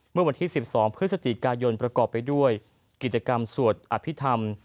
เมื่อวันที่๑๒พฤศจิกายนประกอบไปด้วยกิจกรรมสวดอภิษฐรรม